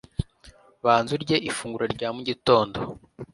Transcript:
banza urye ifunguro rya mu gitondo